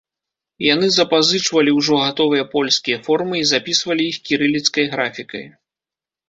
Яны запазычвалі ўжо гатовыя польскія формы і запісвалі іх кірыліцкай графікай.